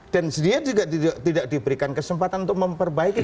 dan dia juga tidak diberikan kesempatan untuk memperbaiki